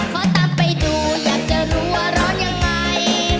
ขอตามไปดูอยากจะรู้ว่าร้อนยังไง